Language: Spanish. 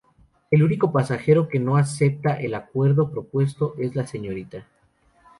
El único pasajero que no acepta el acuerdo propuesto es la señorita.